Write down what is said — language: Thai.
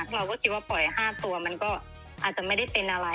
ซึ่งเราก็คิดว่าปล่อย๕ตัวมันก็อาจจะไม่ได้เป็นอะไร